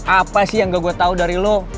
apa sih yang gue gue tau dari lo